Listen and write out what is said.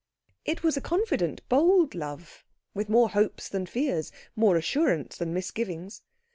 It was a confident, bold Love, with more hopes than fears, more assurance than misgivings.